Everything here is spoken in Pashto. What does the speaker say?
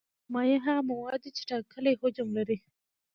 مایع هغه مواد دي چې ټاکلی حجم لري.